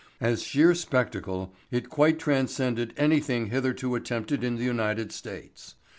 As sheer spectacle it quite transcended anything hitherto attempted in the United States.